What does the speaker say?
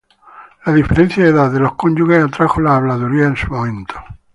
La diferencia de edad de los cónyuges atrajo las habladurías en su momento.